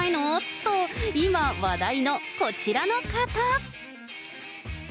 と、今、話題のこちらの方。